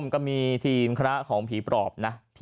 ก็มีทีมคณะของผีปลอบนะ